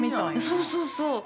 ◆そうそう、そう。